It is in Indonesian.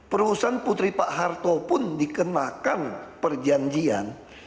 perusahaan putri pak harto pun dikenakan perjanjian